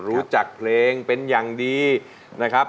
รู้จักเพลงเป็นอย่างดีนะครับ